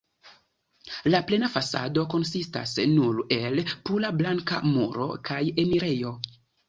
La plena fasado konsistas nur el pura blanka muro kaj enirejo.